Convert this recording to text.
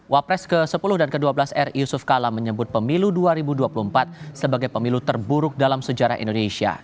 wapres ke sepuluh dan ke dua belas ri yusuf kala menyebut pemilu dua ribu dua puluh empat sebagai pemilu terburuk dalam sejarah indonesia